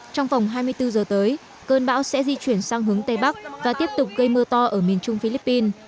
trong vòng hai mươi bốn giờ tới cơn bão sẽ di chuyển sang hướng tây bắc và tiếp tục gây mưa to ở miền trung philippines